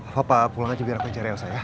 pak pap pulang aja biar aku cari elsa ya